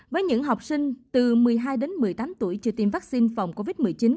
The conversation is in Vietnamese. với những học sinh từ một mươi hai đến một mươi tám tuổi chưa tiêm vaccine phòng covid một mươi chín